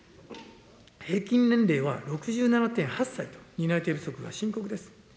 平均年齢は６７．８歳と、担い手不足が深刻です。